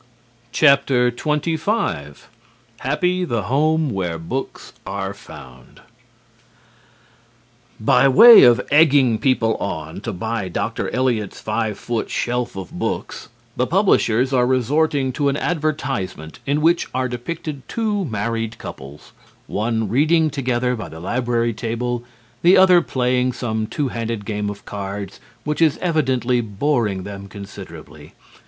XXV "HAPPY THE HOME WHERE BOOKS ARE FOUND" By way of egging people on to buy Dr. Eliot's Five Foot Shelf of books, the publishers are resorting to an advertisement in which are depicted two married couples, one reading together by the library table, the other playing some two handed game of cards which is evidently boring them considerably.